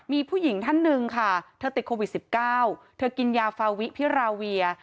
มีผู้หญิงท่านหนึ่งค่ะเธอติดโควิด๑๙เธอกินยาฟาวิพิราเวีย